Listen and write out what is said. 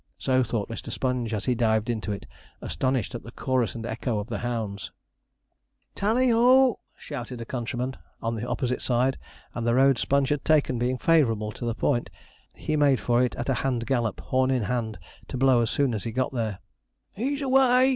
So thought Mr. Sponge as he dived into it, astonished at the chorus and echo of the hounds. [Illustration: 'HE'S AWAY! REET 'CROSS TORNOPS'] 'Tally ho!' shouted a countryman on the opposite side; and the road Sponge had taken being favourable to the point, he made for it at a hand gallop, horn in hand, to blow as soon as he got there. 'He's away!'